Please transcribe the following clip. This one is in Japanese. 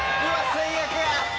最悪や！